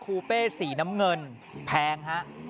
คูเป้สีน้ำเงินแพงฮะ